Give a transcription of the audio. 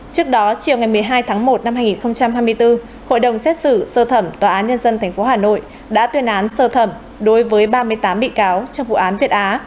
trước đó chiều ngày một mươi hai tháng một năm hai nghìn hai mươi bốn hội đồng xét xử sơ thẩm tòa án nhân dân tp hà nội đã tuyên án sơ thẩm đối với ba mươi tám bị cáo trong vụ án việt á